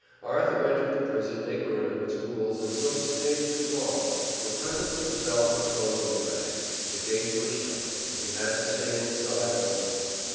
Arthur entered the prison ignorant of its rules and so stayed too long, for presently the bell for closing rang, the gates were shut, and he had to stay inside all night.